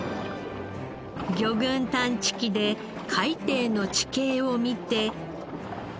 魚群探知機で海底の地形を見て。